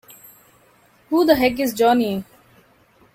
Who the heck is Johnny?!